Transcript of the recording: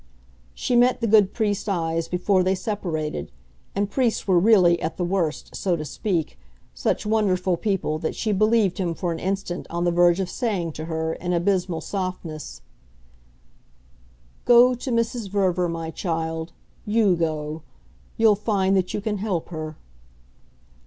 She met the good priest's eyes before they separated, and priests were really, at the worst, so to speak, such wonderful people that she believed him for an instant on the verge of saying to her, in abysmal softness: "Go to Mrs. Verver, my child YOU go: you'll find that you can help her."